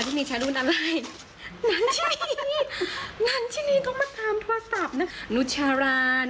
อะมาดูโทรศัพท์ของอาทิตย์ได้เป็นรูปไหน